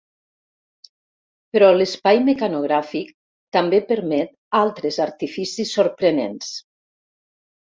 Però l'espai mecanogràfic també permet altres artificis sorprenents.